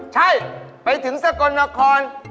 ใช่ไปถึงสกลนคร